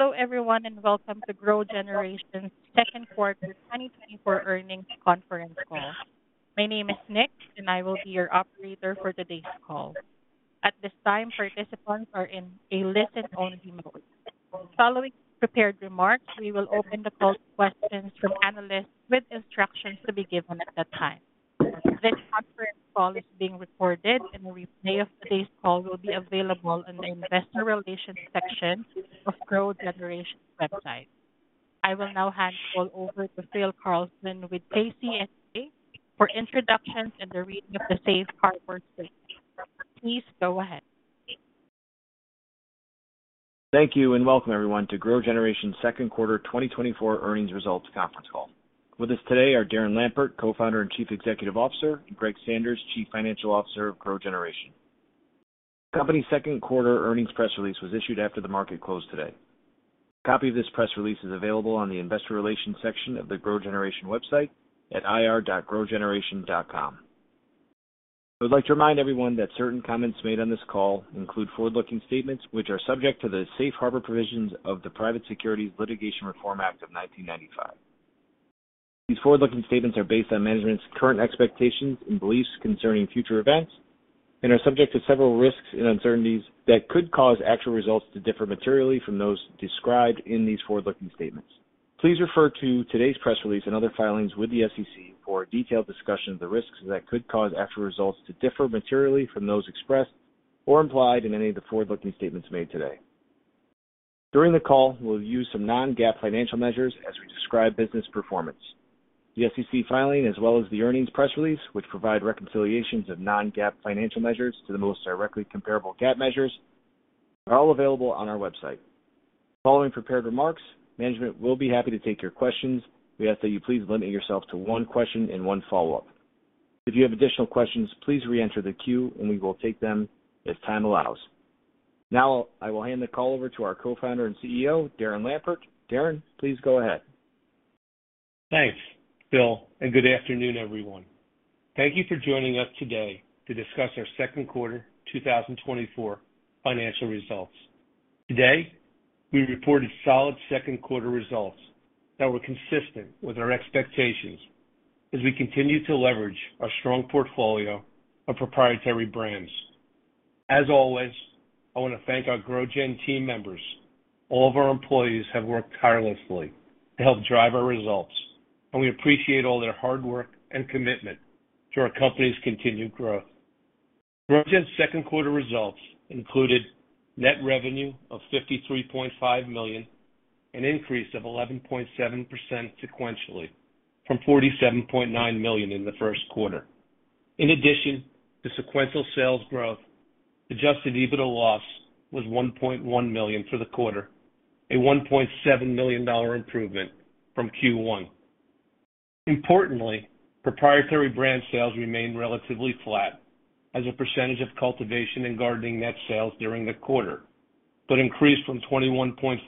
Hello, everyone, and welcome to GrowGeneration's Second Quarter 2024 Earnings Conference Call. My name is Nick, and I will be your operator for today's call. At this time, participants are in a listen-only mode. Following prepared remarks, we will open the call to questions from analysts with instructions to be given at that time. This conference call is being recorded and a replay of today's call will be available in the investor relations section of GrowGeneration's website. I will now hand the call over to Phil Carlson with KCSA for introductions and the reading of the safe harbor statement. Please go ahead. Thank you, and welcome everyone to GrowGeneration's Second Quarter 2024 Earnings Results Conference Call. With us today are Darren Lampert, Co-founder and Chief Executive Officer, and Greg Sanders, Chief Financial Officer of GrowGeneration. The company's second quarter earnings press release was issued after the market closed today. A copy of this press release is available on the investor relations section of the GrowGeneration website at ir.growgeneration.com. I would like to remind everyone that certain comments made on this call include forward-looking statements, which are subject to the safe harbor provisions of the Private Securities Litigation Reform Act of 1995. These forward-looking statements are based on management's current expectations and beliefs concerning future events and are subject to several risks and uncertainties that could cause actual results to differ materially from those described in these forward-looking statements. Please refer to today's press release and other filings with the SEC for a detailed discussion of the risks that could cause actual results to differ materially from those expressed or implied in any of the forward-looking statements made today. During the call, we'll use some non-GAAP financial measures as we describe business performance. The SEC filing, as well as the earnings press release, which provide reconciliations of non-GAAP financial measures to the most directly comparable GAAP measures, are all available on our website. Following prepared remarks, management will be happy to take your questions. We ask that you please limit yourselves to one question and one follow-up. If you have additional questions, please reenter the queue, and we will take them as time allows. Now, I will hand the call over to our co-founder and CEO, Darren Lampert. Darren, please go ahead. Thanks, Phil, and good afternoon, everyone. Thank you for joining us today to discuss our second quarter 2024 financial results. Today, we reported solid second quarter results that were consistent with our expectations as we continue to leverage our strong portfolio of proprietary brands. As always, I want to thank our GrowGen team members. All of our employees have worked tirelessly to help drive our results, and we appreciate all their hard work and commitment to our company's continued growth. GrowGen's second quarter results included net revenue of $53.5 million, an increase of 11.7% sequentially from $47.9 million in the first quarter. In addition to sequential sales growth, adjusted EBITDA loss was $1.1 million for the quarter, a $1.7 million improvement from Q1. Importantly, proprietary brand sales remained relatively flat as a percentage of cultivation and gardening net sales during the quarter, but increased from 21.5%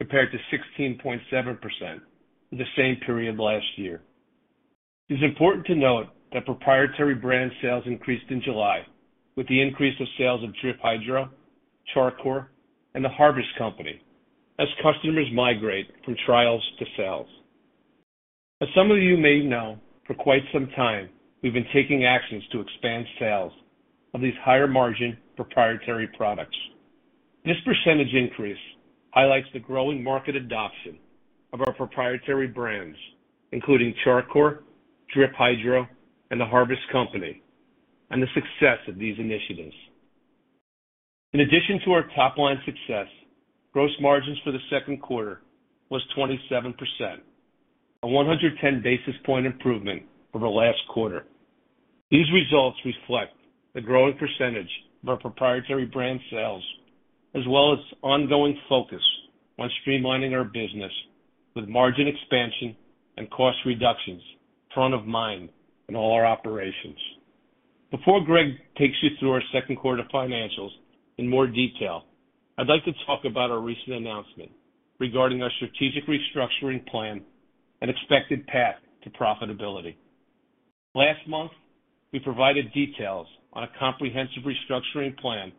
compared to 16.7% in the same period last year. It's important to note that proprietary brand sales increased in July, with the increase of sales of Drip Hydro, Char Coir, and The Harvest Company, as customers migrate from trials to sales. As some of you may know, for quite some time, we've been taking actions to expand sales of these higher-margin proprietary products. This percentage increase highlights the growing market adoption of our proprietary brands, including Char Coir, Drip Hydro, and The Harvest Company, and the success of these initiatives. In addition to our top-line success, gross margins for the second quarter was 27%, a 110 basis point improvement from the last quarter. These results reflect the growing percentage of our proprietary brand sales, as well as ongoing focus on streamlining our business with margin expansion and cost reductions front of mind in all our operations. Before Greg takes you through our second quarter financials in more detail, I'd like to talk about our recent announcement regarding our strategic restructuring plan and expected path to profitability. Last month, we provided details on a comprehensive restructuring plan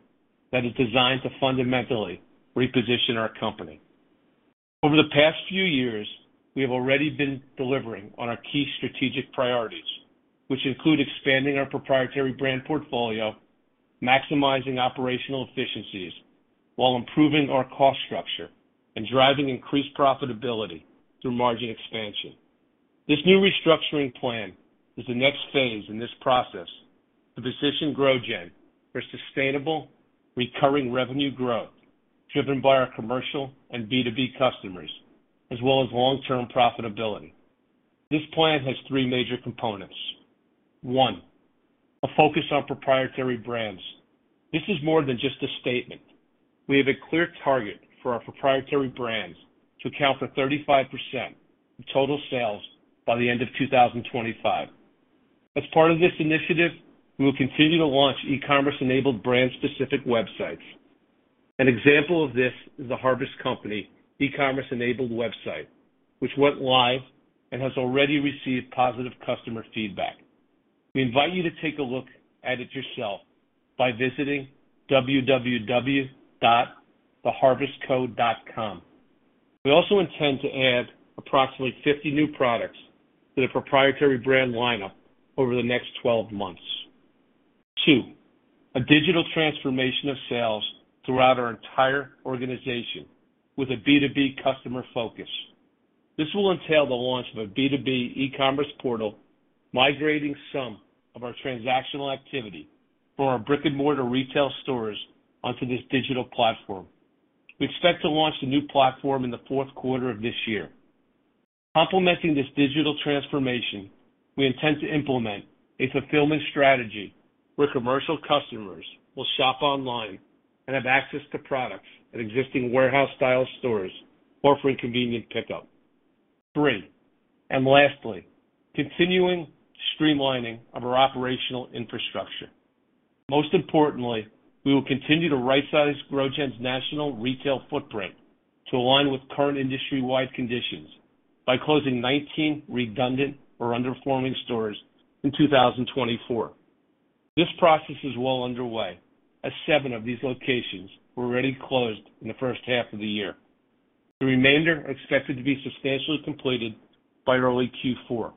that is designed to fundamentally reposition our company. Over the past few years, we have already been delivering on our key strategic priorities, which include expanding our proprietary brand portfolio, maximizing operational efficiencies while improving our cost structure, and driving increased profitability through margin expansion. This new restructuring plan is the next phase in this process to position GrowGen for sustainable, recurring revenue growth driven by our commercial and B2B customers, as well as long-term profitability. This plan has three major components. One, a focus on proprietary brands. This is more than just a statement. We have a clear target for our proprietary brands to account for 35% of total sales by the end of 2025. As part of this initiative, we will continue to launch e-commerce-enabled, brand-specific websites. An example of this is The Harvest Company e-commerce-enabled website, which went live and has already received positive customer feedback. We invite you to take a look at it yourself by visiting www.theharvestco.com. We also intend to add approximately 50 new products to the proprietary brand lineup over the next 12 months. Two, a digital transformation of sales throughout our entire organization with a B2B customer focus. This will entail the launch of a B2B e-commerce portal, migrating some of our transactional activity from our brick-and-mortar retail stores onto this digital platform. We expect to launch the new platform in the fourth quarter of this year. Complementing this digital transformation, we intend to implement a fulfillment strategy where commercial customers will shop online and have access to products at existing warehouse-style stores or for convenient pickup. Three, and lastly, continuing streamlining of our operational infrastructure. Most importantly, we will continue to rightsize GrowGeneration's national retail footprint to align with current industry-wide conditions by closing 19 redundant or underperforming stores in 2024. This process is well underway, as seven of these locations were already closed in the first half of the year. The remainder are expected to be substantially completed by early Q4.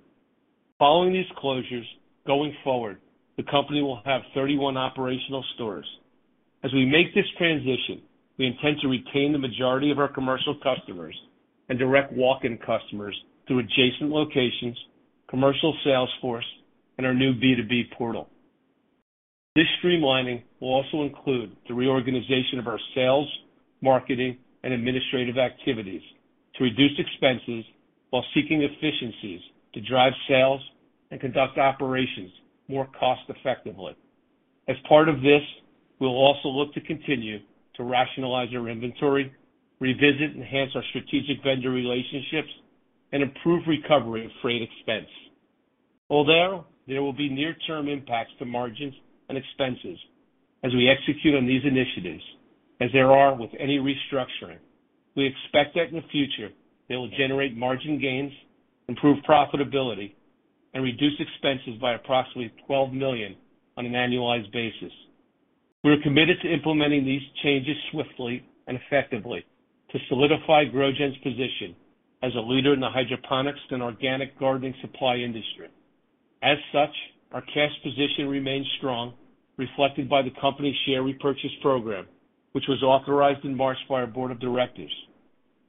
Following these closures, going forward, the company will have 31 operational stores. As we make this transition, we intend to retain the majority of our commercial customers and direct walk-in customers through adjacent locations, commercial sales force, and our new B2B portal. This streamlining will also include the reorganization of our sales, marketing, and administrative activities to reduce expenses while seeking efficiencies to drive sales and conduct operations more cost effectively. As part of this, we'll also look to continue to rationalize our inventory, revisit, enhance our strategic vendor relationships, and improve recovery of freight expense. Although there will be near-term impacts to margins and expenses as we execute on these initiatives, as there are with any restructuring, we expect that in the future, they will generate margin gains, improve profitability, and reduce expenses by approximately $12 million on an annualized basis. We are committed to implementing these changes swiftly and effectively to solidify GrowGeneration's position as a leader in the hydroponics and organic gardening supply industry. As such, our cash position remains strong, reflected by the company's share repurchase program, which was authorized in March by our board of directors.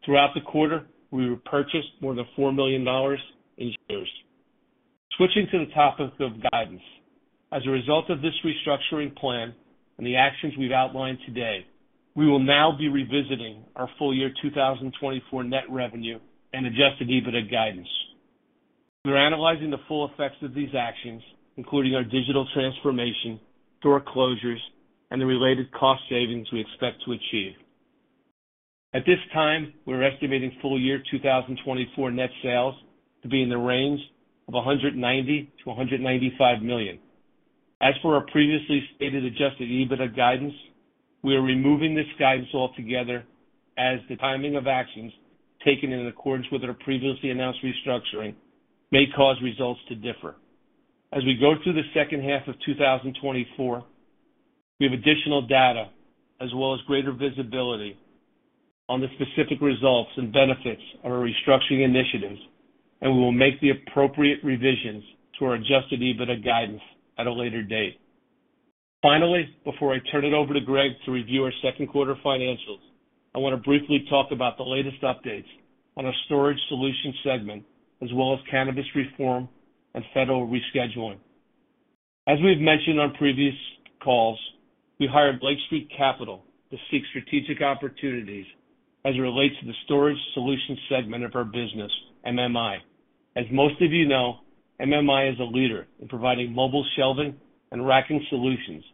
Throughout the quarter, we repurchased more than $4 million in shares. Switching to the topic of guidance. As a result of this restructuring plan and the actions we've outlined today, we will now be revisiting our full year 2024 net revenue and Adjusted EBITDA guidance. We're analyzing the full effects of these actions, including our digital transformation, store closures, and the related cost savings we expect to achieve. At this time, we're estimating full year 2024 net sales to be in the range of $190 million to $195 million. As for our previously stated adjusted EBITDA guidance, we are removing this guidance altogether, as the timing of actions taken in accordance with our previously announced restructuring may cause results to differ. As we go through the second half of 2024, we have additional data as well as greater visibility on the specific results and benefits of our restructuring initiatives, and we will make the appropriate revisions to our adjusted EBITDA guidance at a later date. Finally, before I turn it over to Greg to review our second quarter financials, I want to briefly talk about the latest updates on our storage solution segment, as well as cannabis reform and federal rescheduling. As we've mentioned on previous calls, we hired Lake Street Capital to seek strategic opportunities as it relates to the storage solution segment of our business, MMI. As most of you know, MMI is a leader in providing mobile shelving and racking solutions,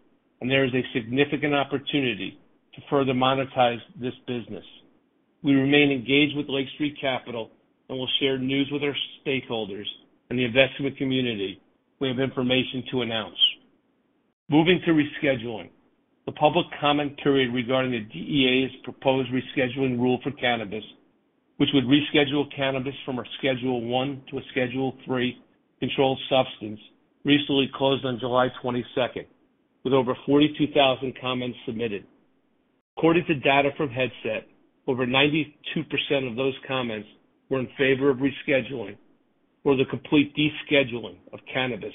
and there is a significant opportunity to further monetize this business. We remain engaged with Lake Street Capital and will share news with our stakeholders and the investment community we have information to announce. Moving to rescheduling. The public comment period regarding the DEA's proposed rescheduling rule for cannabis, which would reschedule cannabis from a Schedule I to a Schedule III controlled substance, recently closed on July 22nd, with over 42,000 comments submitted. According to data from Headset, over 92% of those comments were in favor of rescheduling or the complete descheduling of cannabis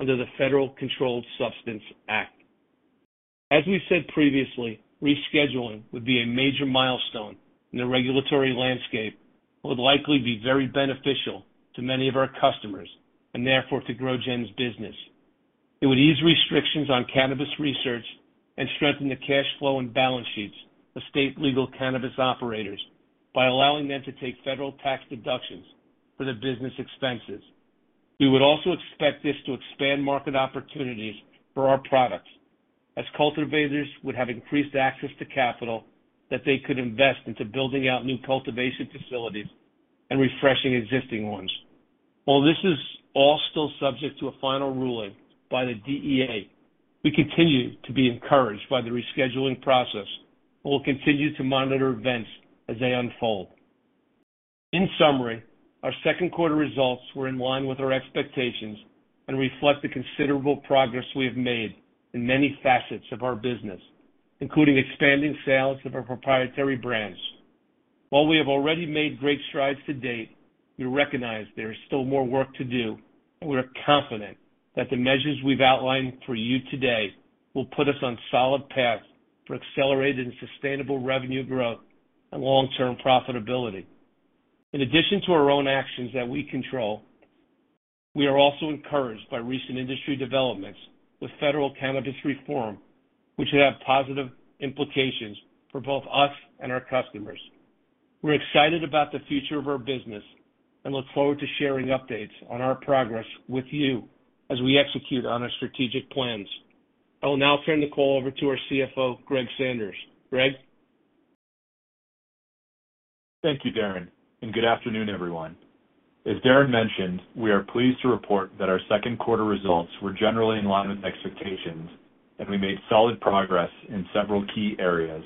under the Federal Controlled Substances Act. As we said previously, rescheduling would be a major milestone in the regulatory landscape, would likely be very beneficial to many of our customers and therefore to GrowGen's business. It would ease restrictions on cannabis research and strengthen the cash flow and balance sheets of state legal cannabis operators by allowing them to take federal tax deductions for their business expenses. We would also expect this to expand market opportunities for our products, as cultivators would have increased access to capital that they could invest into building out new cultivation facilities and refreshing existing ones. While this is all still subject to a final ruling by the DEA, we continue to be encouraged by the rescheduling process and will continue to monitor events as they unfold.... In summary, our second quarter results were in line with our expectations and reflect the considerable progress we have made in many facets of our business, including expanding sales of our proprietary brands. While we have already made great strides to date, we recognize there is still more work to do, and we're confident that the measures we've outlined for you today will put us on solid path for accelerated and sustainable revenue growth and long-term profitability. In addition to our own actions that we control, we are also encouraged by recent industry developments with federal cannabis reform, which should have positive implications for both us and our customers. We're excited about the future of our business and look forward to sharing updates on our progress with you as we execute on our strategic plans. I will now turn the call over to our CFO, Greg Sanders. Greg? Thank you, Darren, and good afternoon, everyone. As Darren mentioned, we are pleased to report that our second quarter results were generally in line with expectations, and we made solid progress in several key areas.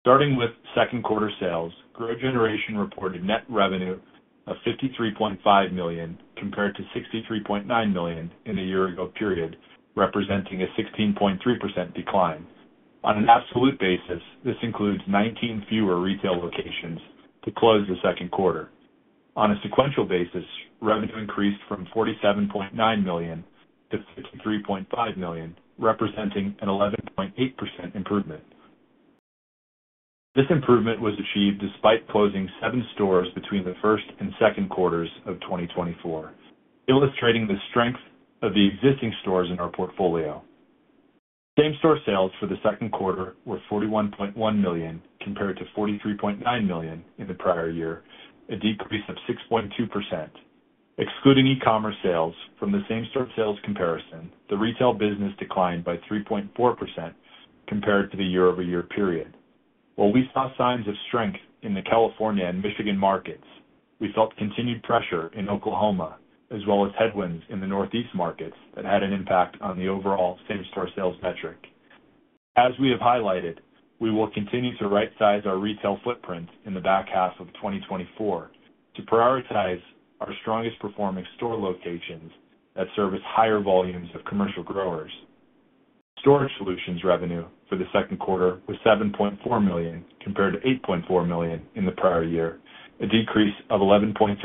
Starting with second quarter sales, GrowGeneration reported net revenue of $53.5 million, compared to $63.9 million in the year-ago period, representing a 16.3% decline. On an absolute basis, this includes 19 fewer retail locations to close the second quarter. On a sequential basis, revenue increased from $47.9 million to $53.5 million, representing an 11.8% improvement. This improvement was achieved despite closing 7 stores between the first and second quarters of 2024, illustrating the strength of the existing stores in our portfolio. Same-store sales for the second quarter were $41.1 million, compared to $43.9 million in the prior year, a decrease of 6.2%. Excluding e-commerce sales from the same-store sales comparison, the retail business declined by 3.4% compared to the year-over-year period. While we saw signs of strength in the California and Michigan markets, we felt continued pressure in Oklahoma, as well as headwinds in the Northeast markets that had an impact on the overall same-store sales metric. As we have highlighted, we will continue to rightsize our retail footprint in the back half of 2024 to prioritize our strongest-performing store locations that service higher volumes of commercial growers. Storage solutions revenue for the second quarter was $7.4 million, compared to $8.4 million in the prior year, a decrease of 11.3%,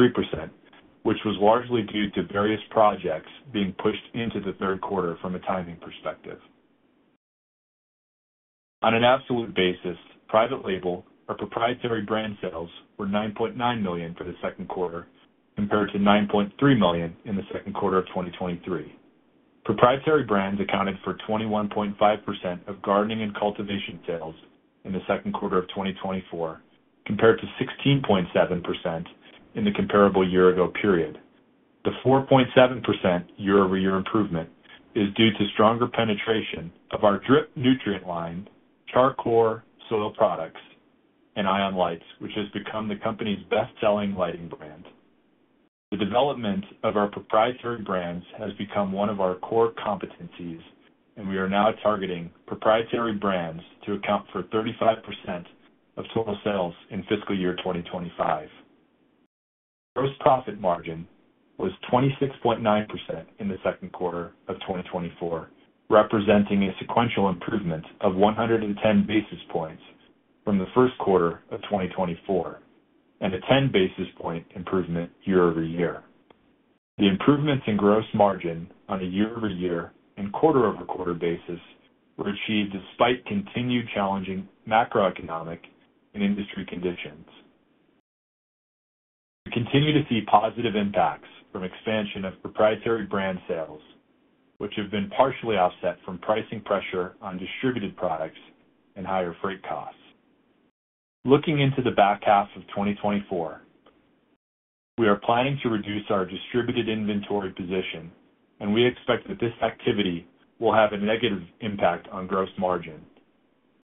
which was largely due to various projects being pushed into the third quarter from a timing perspective. On an absolute basis, private label, our proprietary brand sales were $9.9 million for the second quarter, compared to $9.3 million in the second quarter of 2023. Proprietary brands accounted for 21.5% of gardening and cultivation sales in the second quarter of 2024, compared to 16.7% in the comparable year-ago period. The 4.7% year-over-year improvement is due to stronger penetration of our Drip nutrient line, Char Coir soil products, and ION lights, which has become the company's best-selling lighting brand. The development of our proprietary brands has become one of our core competencies, and we are now targeting proprietary brands to account for 35% of total sales in fiscal year 2025. Gross profit margin was 26.9% in the second quarter of 2024, representing a sequential improvement of 110 basis points from the first quarter of 2024, and a 10 basis point improvement year-over-year. The improvements in gross margin on a year-over-year and quarter-over-quarter basis were achieved despite continued challenging macroeconomic and industry conditions. We continue to see positive impacts from expansion of proprietary brand sales, which have been partially offset from pricing pressure on distributed products and higher freight costs. Looking into the back half of 2024, we are planning to reduce our distributed inventory position, and we expect that this activity will have a negative impact on gross margin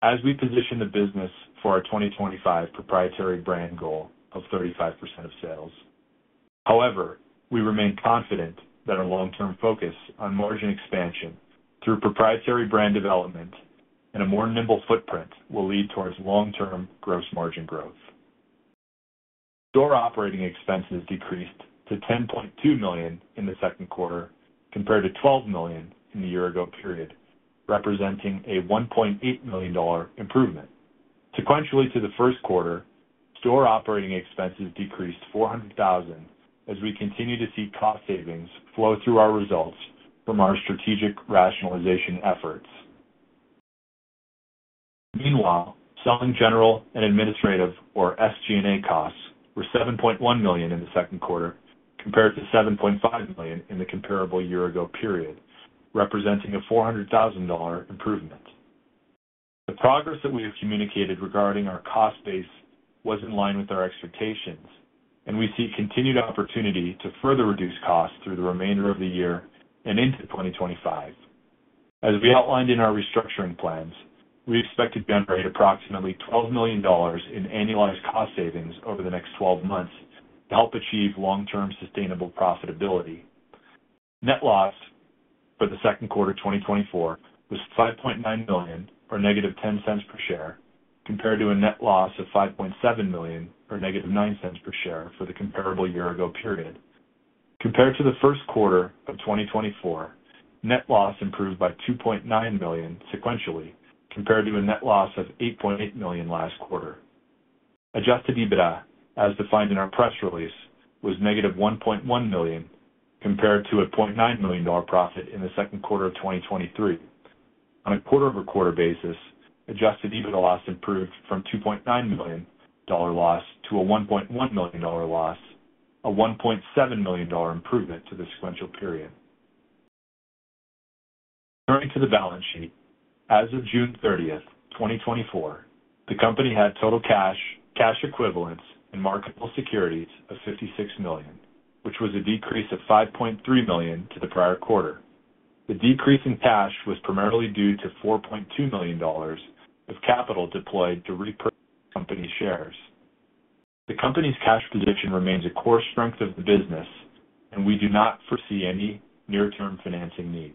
as we position the business for our 2025 proprietary brand goal of 35% of sales. However, we remain confident that our long-term focus on margin expansion through proprietary brand development and a more nimble footprint will lead towards long-term gross margin growth. Store operating expenses decreased to $10.2 million in the second quarter, compared to $12 million in the year-ago period, representing a $1.8 million improvement. Sequentially to the first quarter, store operating expenses decreased $400,000, as we continue to see cost savings flow through our results from our strategic rationalization efforts. Meanwhile, selling, general, and administrative, or SG&A costs, were $7.1 million in the second quarter, compared to $7.5 million in the comparable year-ago period, representing a $400,000 improvement. The progress that we have communicated regarding our cost base was in line with our expectations, and we see continued opportunity to further reduce costs through the remainder of the year and into 2025. As we outlined in our restructuring plans, we expect to generate approximately $12 million in annualized cost savings over the next 12 months to help achieve long-term sustainable profitability. Net loss for the second quarter 2024 was $5.9 million, or -$0.10 per share, compared to a net loss of $5.7 million, or -$0.09 per share for the comparable year-ago period. Compared to the first quarter of 2024, net loss improved by $2.9 million sequentially, compared to a net loss of $8.8 million last quarter. Adjusted EBITDA, as defined in our press release, was negative $1.1 million, compared to a $0.9 million profit in the second quarter of 2023. On a quarter-over-quarter basis, adjusted EBITDA loss improved from $2.9 million loss to a $1.1 million loss, a $1.7 million improvement to the sequential period. Turning to the balance sheet, as of June 30, 2024, the company had total cash, cash equivalents, and marketable securities of $56 million, which was a decrease of $5.3 million to the prior quarter. The decrease in cash was primarily due to $4.2 million of capital deployed to repurchase company shares. The company's cash position remains a core strength of the business, and we do not foresee any near-term financing needs.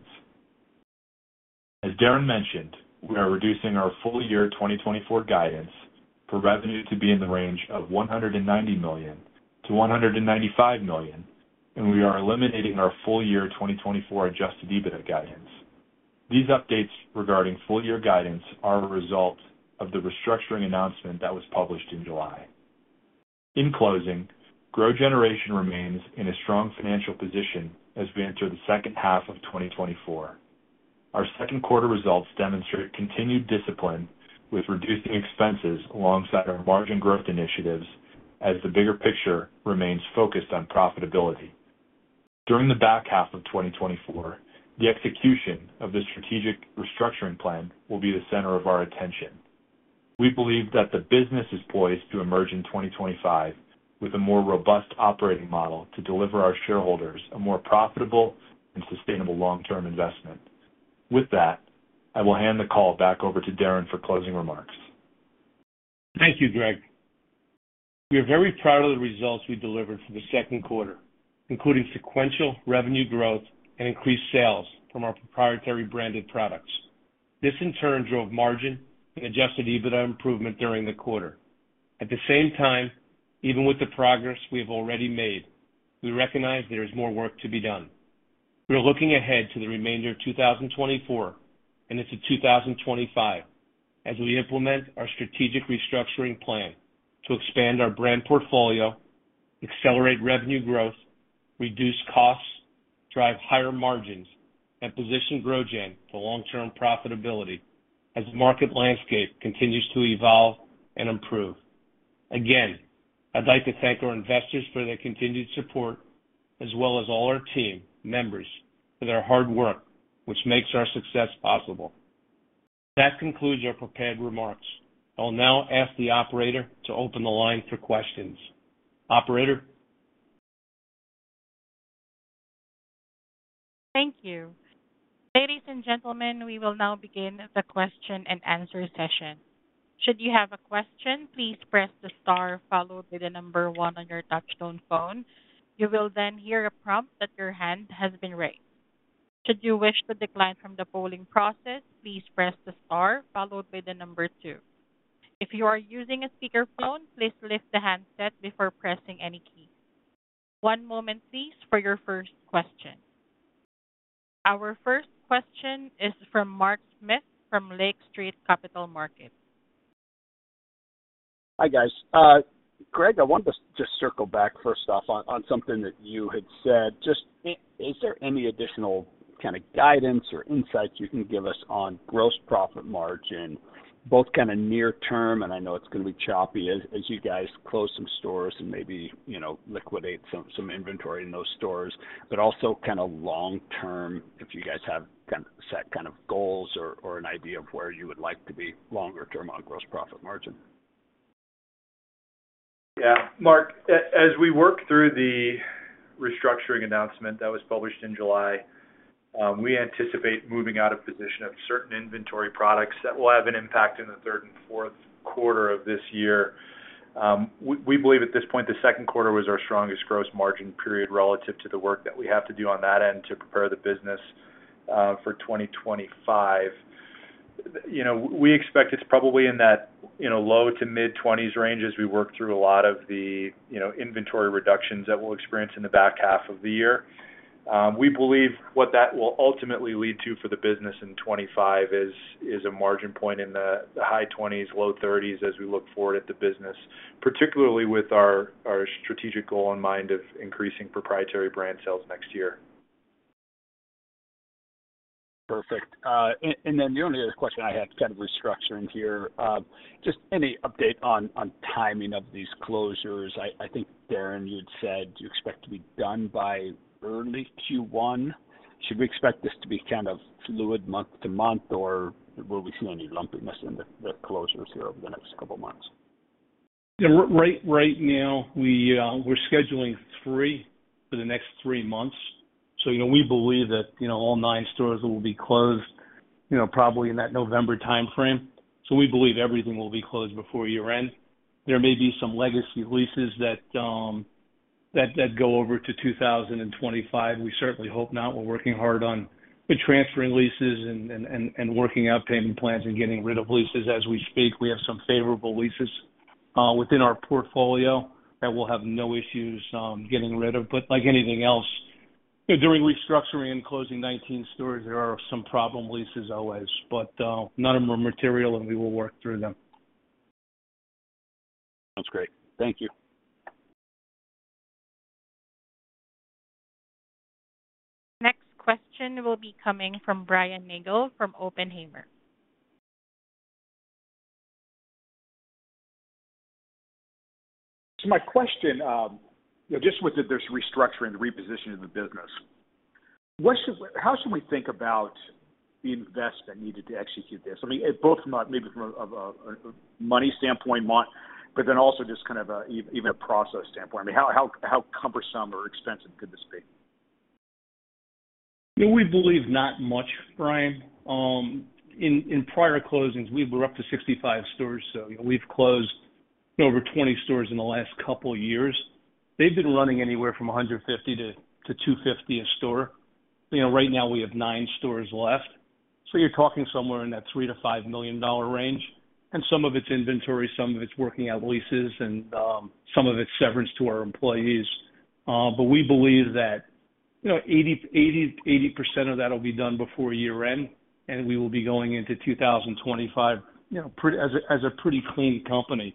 As Darren mentioned, we are reducing our full-year 2024 guidance for revenue to be in the range of $190 million-$195 million, and we are eliminating our full-year 2024 Adjusted EBITDA guidance. These updates regarding full-year guidance are a result of the restructuring announcement that was published in July. In closing, GrowGeneration remains in a strong financial position as we enter the second half of 2024. Our second quarter results demonstrate continued discipline with reducing expenses alongside our margin growth initiatives, as the bigger picture remains focused on profitability. During the back half of 2024, the execution of the strategic restructuring plan will be the center of our attention. We believe that the business is poised to emerge in 2025 with a more robust operating model to deliver our shareholders a more profitable and sustainable long-term investment. With that, I will hand the call back over to Darren for closing remarks. Thank you, Greg. We are very proud of the results we delivered for the second quarter, including sequential revenue growth and increased sales from our proprietary branded products. This, in turn, drove margin and Adjusted EBITDA improvement during the quarter. At the same time, even with the progress we have already made, we recognize there is more work to be done. We are looking ahead to the remainder of 2024 and into 2025 as we implement our strategic restructuring plan to expand our brand portfolio, accelerate revenue growth, reduce costs, drive higher margins, and position GrowGen for long-term profitability as the market landscape continues to evolve and improve. Again, I'd like to thank our investors for their continued support, as well as all our team members for their hard work, which makes our success possible. That concludes our prepared remarks. I'll now ask the operator to open the line for questions. Operator? Thank you. Ladies and gentlemen, we will now begin the Q&A session. Should you have a question, please press the star followed by the number one on your touch-tone phone. You will then hear a prompt that your hand has been raised. Should you wish to decline from the polling process, please press the star followed by the number two. If you are using a speakerphone, please lift the handset before pressing any key. One moment, please, for your first question. Our first question is from Mark Smith, from Lake Street Capital Markets. Hi, guys. Greg, I wanted to just circle back first off on, on something that you had said. Just, is there any additional kind of guidance or insights you can give us on gross profit margin, both kind of near term, and I know it's gonna be choppy as, as you guys close some stores and maybe, you know, liquidate some, some inventory in those stores, but also kind of long term, if you guys have kind of set kind of goals or, or an idea of where you would like to be longer term on gross profit margin? Yeah, Mark, as we work through the restructuring announcement that was published in July, we anticipate moving out of position of certain inventory products that will have an impact in the third and fourth quarter of this year. We believe at this point, the second quarter was our strongest gross margin period relative to the work that we have to do on that end to prepare the business, for 2025. You know, we expect it's probably in that, you know, low to mid-20s range as we work through a lot of the, you know, inventory reductions that we'll experience in the back half of the year. We believe what that will ultimately lead to for the business in 25 is a margin point in the high 20s, low 30s, as we look forward at the business, particularly with our strategic goal in mind of increasing proprietary brand sales next year. Perfect. And then the only other question I had, kind of restructuring here, just any update on the timing of these closures? I think, Darren, you'd said you expect to be done by early Q1. Should we expect this to be kind of fluid month-to-month, or will we see any lumpiness in the closures here over the next couple of months? Yeah, right, right now, we're scheduling three for the next three months. So, you know, we believe that, you know, all nine stores will be closed... you know, probably in that November timeframe. So we believe everything will be closed before year-end. There may be some legacy leases that go over to 2025. We certainly hope not. We're working hard on transferring leases and working out payment plans and getting rid of leases as we speak. We have some favorable leases within our portfolio that we'll have no issues getting rid of. But like anything else, during restructuring and closing 19 stores, there are some problem leases always, but none of them are material, and we will work through them. Sounds great. Thank you. Next question will be coming from Brian Nagel, from Oppenheimer. So my question, you know, just with this restructuring and repositioning the business, what should, how should we think about the investment needed to execute this? I mean, both from a, maybe from a money standpoint mind, but then also just kind of, even a process standpoint. I mean, how cumbersome or expensive could this be? We believe not much, Brian. In prior closings, we were up to 65 stores, so we've closed over 20 stores in the last couple of years. They've been running anywhere from 150 to 250 a store. You know, right now we have 9 stores left, so you're talking somewhere in that $3 million-$5 million range, and some of it's inventory, some of it's working out leases, and some of it's severance to our employees. But we believe that, you know, 80% of that will be done before year-end, and we will be going into 2025, you know, pretty as a pretty clean company.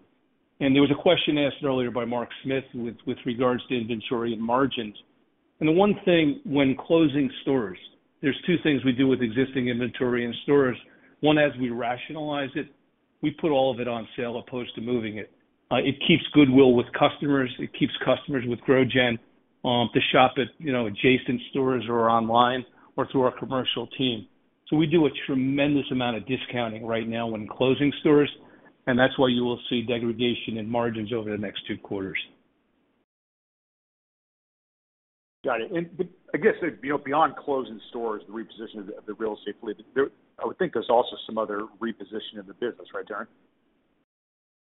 And there was a question asked earlier by Mark Smith with regards to inventory and margins. The one thing, when closing stores, there are two things we do with existing inventory in stores. One, as we rationalize it, we put all of it on sale opposed to moving it. It keeps goodwill with customers, it keeps customers with GrowGen to shop at, you know, adjacent stores or online or through our commercial team. So we do a tremendous amount of discounting right now when closing stores, and that's why you will see degradation in margins over the next two quarters. Got it. But I guess, you know, beyond closing stores, the reposition of the real estate there, I would think there's also some other reposition of the business, right, Darren?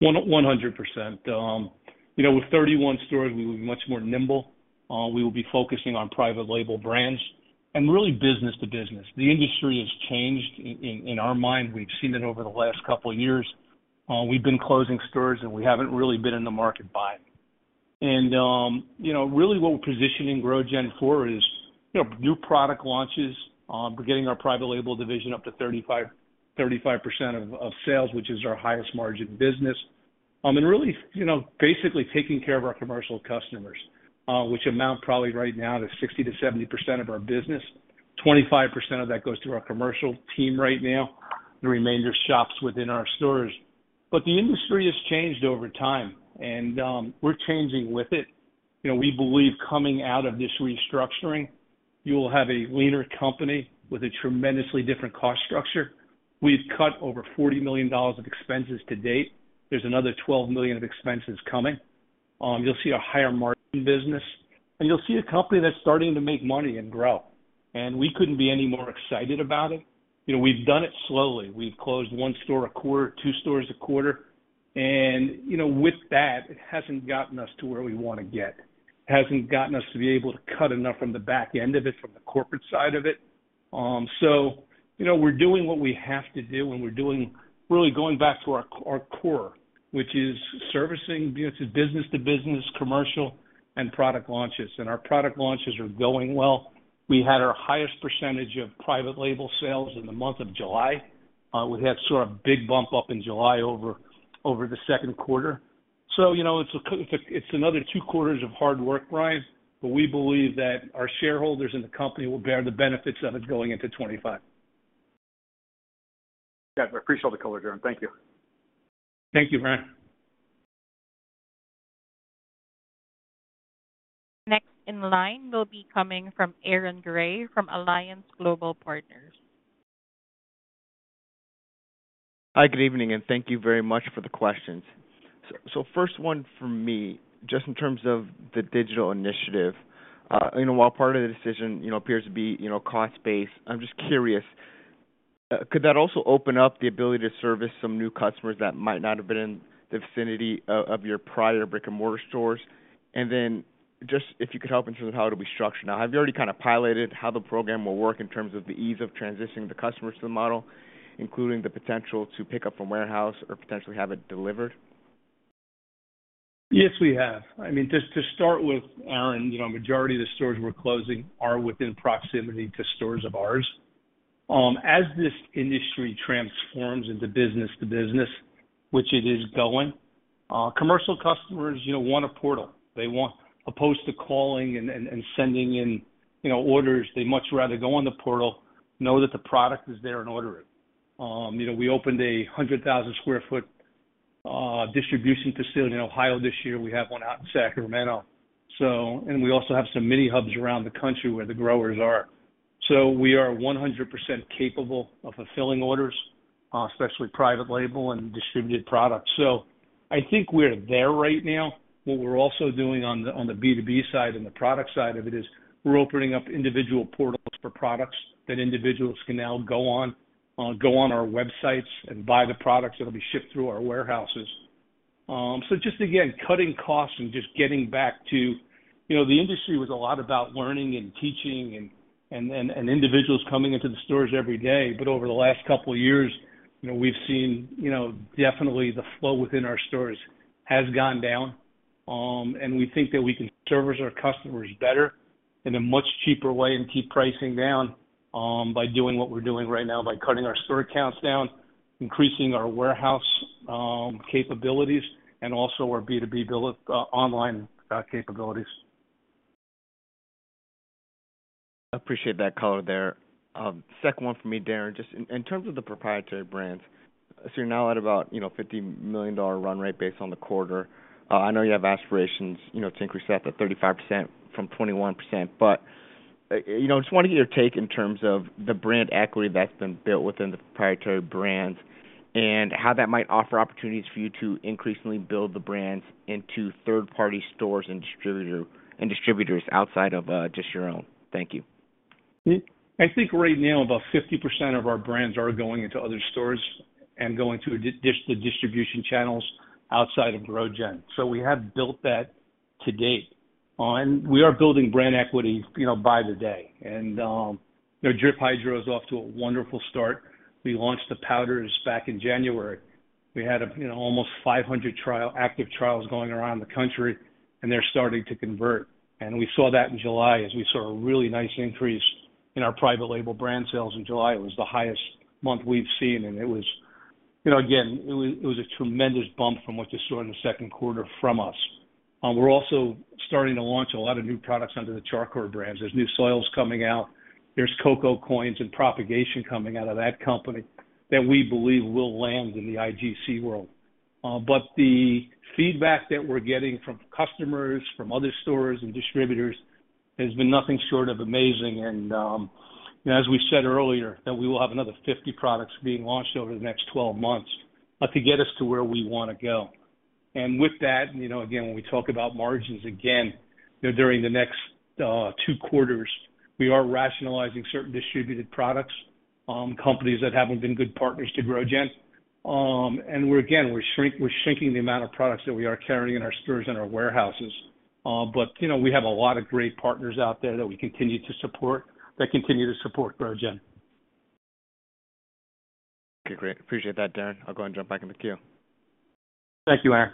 100%. You know, with 31 stores, we will be much more nimble. We will be focusing on private label brands and really business to business. The industry has changed in our mind. We've seen it over the last couple of years. We've been closing stores, and we haven't really been in the market buying. Really what we're positioning GrowGen for is new product launches. We're getting our private label division up to 35, 35% of sales, which is our highest margin business. And really, basically taking care of our commercial customers, which amount probably right now to 60%-70% of our business. 25% of that goes to our commercial team right now, the remainder shops within our stores. But the industry has changed over time, and we're changing with it. You know, we believe coming out of this restructuring, you will have a leaner company with a tremendously different cost structure. We've cut over $40 million of expenses to date. There's another $12 million of expenses coming. You'll see a higher margin business, and you'll see a company that's starting to make money and grow, and we couldn't be any more excited about it. You know, we've done it slowly. We've closed one store a quarter, two stores a quarter, and, you know, with that, it hasn't gotten us to where we wanna get. It hasn't gotten us to be able to cut enough from the back end of it, from the corporate side of it. So, you know, we're doing what we have to do, and we're doing... Really going back to our core, which is servicing business to business, commercial, and product launches. Our product launches are going well. We had our highest percentage of private label sales in the month of July. We had sort of a big bump up in July over the second quarter. So, you know, it's another two quarters of hard work, Brian, but we believe that our shareholders in the company will bear the benefits of it going into 2025. Yeah, I appreciate all the color, Darren. Thank you. Thank you, Brian. Next in line will be coming from Aaron Grey, from Alliance Global Partners. Hi, good evening, and thank you very much for the questions. So, first one from me, just in terms of the digital initiative, you know, while part of the decision, you know, appears to be, you know, cost-based, I'm just curious, could that also open up the ability to service some new customers that might not have been in the vicinity of your prior brick-and-mortar stores? And then, just if you could help in terms of how it'll be structured. Now, have you already kind of piloted how the program will work in terms of the ease of transitioning the customers to the model, including the potential to pick up from warehouse or potentially have it delivered? Yes, we have. I mean, just to start with, Aaron, you know, majority of the stores we're closing are within proximity to stores of ours. As this industry transforms into business-to-business, which it is going, commercial customers, you know, want a portal. They want, opposed to calling and sending in, you know, orders, they much rather go on the portal, know that the product is there and order it. You know, we opened a 100,000 sq ft distribution facility in Ohio this year. We have one out in Sacramento, so and we also have some mini hubs around the country where the growers are. So we are 100% capable of fulfilling orders, especially private label and distributed products. So I think we're there right now. What we're also doing on the B2B side and the product side of it is we're opening up individual portals for products that individuals can now go on our websites and buy the products that will be shipped through our warehouses. So just again, cutting costs and just getting back to, you know, the industry was a lot about learning and teaching and individuals coming into the stores every day. But over the last couple of years, you know, we've seen, you know, definitely the flow within our stores has gone down. And we think that we can service our customers better in a much cheaper way and keep pricing down by doing what we're doing right now, by cutting our store counts down, increasing our warehouse capabilities, and also our B2B build online capabilities. Appreciate that color there. Second one for me, Darren, just in terms of the proprietary brands, so you're now at about, you know, $50 million run rate based on the quarter. I know you have aspirations, you know, to increase that to 35% from 21%. But, you know, just want to get your take in terms of the brand equity that's been built within the proprietary brands, and how that might offer opportunities for you to increasingly build the brands into third-party stores and distributor, and distributors outside of just your own. Thank you. I think right now, about 50% of our brands are going into other stores and going through the distribution channels outside of GrowGen. So we have built that to date. And we are building brand equity, you know, by the day. And, you know, Drip Hydro is off to a wonderful start. We launched the powders back in January. We had, you know, almost 500 trial active trials going around the country, and they're starting to convert. And we saw that in July as we saw a really nice increase in our private label brand sales in July. It was the highest month we've seen, and it was, you know, again, it was a tremendous bump from what you saw in the second quarter from us. We're also starting to launch a lot of new products under the Char Coir brands. There's new soils coming out, there's Coco Coins and propagation coming out of that company that we believe will land in the IGC world. But the feedback that we're getting from customers, from other stores and distributors, has been nothing short of amazing. As we said earlier, that we will have another 50 products being launched over the next 12 months, to get us to where we wanna go. And with that, you know, again, when we talk about margins again, you know, during the next two quarters, we are rationalizing certain distributed products, companies that haven't been good partners to GrowGen. And we're again, we're shrinking the amount of products that we are carrying in our stores and our warehouses. But, you know, we have a lot of great partners out there that we continue to support, that continue to support GrowGen. Okay, great. Appreciate that, Darren. I'll go and jump back in the queue. Thank you, Aaron.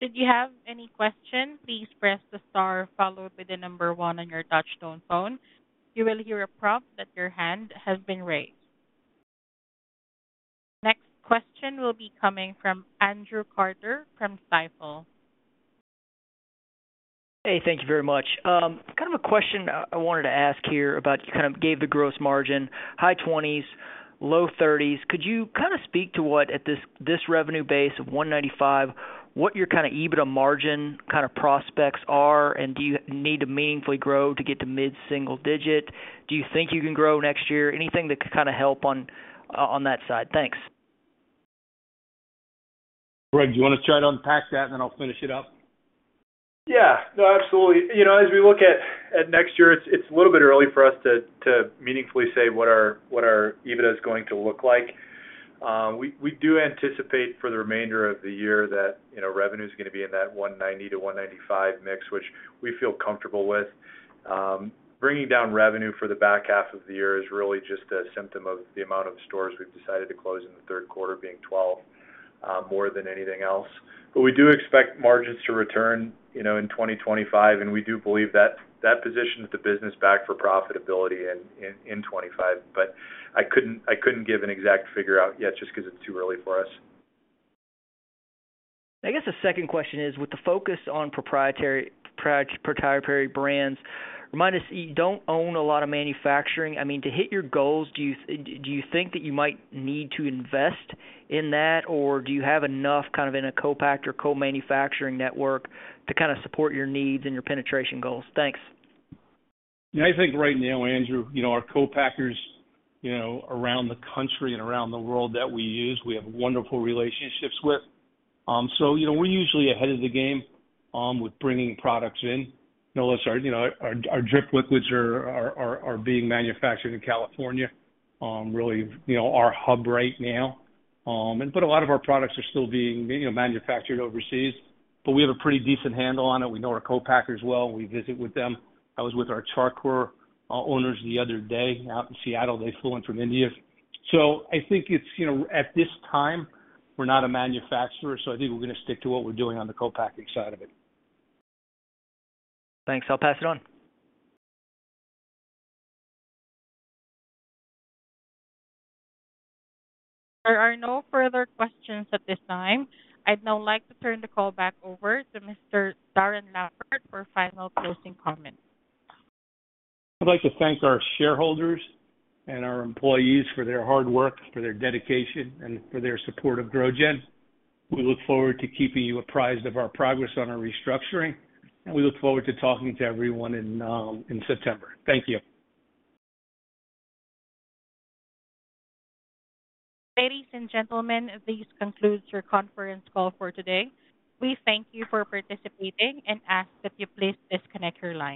If you have any questions, please press the star followed by the number one on your touch-tone phone. You will hear a prompt that your hand has been raised. Next question will be coming from Andrew Carter from Stifel. Hey, thank you very much. Kind of a question I wanted to ask here about you kind of gave the gross margin, high 20s, low 30s. Could you kinda speak to what, at this, this revenue base of $195 million, what your kind of EBITDA margin kind of prospects are, and do you need to meaningfully grow to get to mid-single digit? Do you think you can grow next year? Anything that could kinda help on, on that side. Thanks. Greg, do you wanna try to unpack that, and then I'll finish it up? Yeah. No, absolutely. You know, as we look at next year, it's a little bit early for us to meaningfully say what our EBITDA is going to look like. We do anticipate for the remainder of the year that, you know, revenue is gonna be in that $190 million-$195 million mix, which we feel comfortable with. Bringing down revenue for the back half of the year is really just a symptom of the amount of stores we've decided to close in the third quarter, being 12, more than anything else. But we do expect margins to return, you know, in 2025, and we do believe that positions the business back for profitability in 2025. But I couldn't give an exact figure out yet just because it's too early for us. I guess the second question is, with the focus on proprietary, pro- proprietary brands, remind us, you don't own a lot of manufacturing. I mean, to hit your goals, do you, do you think that you might need to invest in that, or do you have enough kind of in a co-packer, co-manufacturing network to kinda support your needs and your penetration goals? Thanks. Yeah, I think right now, Andrew, you know, our co-packers, you know, around the country and around the world that we use, we have wonderful relationships with. So, you know, we're usually ahead of the game with bringing products in. You know, unless our drip liquids are being manufactured in California, really, you know, our hub right now. But a lot of our products are still being, you know, manufactured overseas, but we have a pretty decent handle on it. We know our co-packers well, and we visit with them. I was with our Char Coir owners the other day out in Seattle. They flew in from India. So I think it's, you know, at this time, we're not a manufacturer, so I think we're gonna stick to what we're doing on the co-packing side of it. Thanks. I'll pass it on. There are no further questions at this time. I'd now like to turn the call back over to Mr. Darren Lampert for final closing comments. I'd like to thank our shareholders and our employees for their hard work, for their dedication, and for their support of GrowGen. We look forward to keeping you apprised of our progress on our restructuring, and we look forward to talking to everyone in September. Thank you. Ladies and gentlemen, this concludes your conference call for today. We thank you for participating and ask that you please disconnect your line.